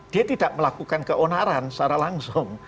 dia tidak melakukan keonaran secara langsung